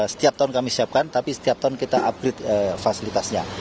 setiap tahun kami siapkan tapi setiap tahun kita upgrade fasilitasnya